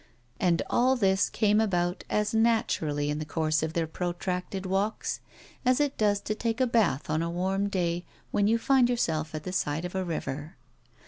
And all this came about as naturally in the course of their protracted walks as it does to take a bath on a warm day, when you find yourself at the side of a river.